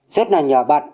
rất là nhờ bật